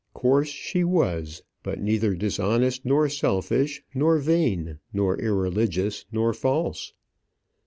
Coarse she was; but neither dishonest, nor selfish, nor vain, nor irreligious, nor false.